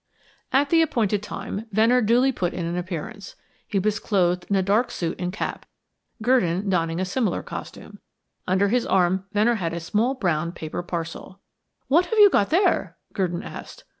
At the appointed time, Venner duly put in an appearance. He was clothed in a dark suit and cap, Gurdon donning a similar costume. Under his arm Venner had a small brown paper parcel. "What have you got there?" Gurdon asked.